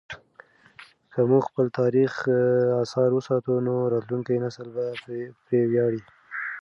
که موږ خپل تاریخي اثار وساتو نو راتلونکی نسل به پرې ویاړي.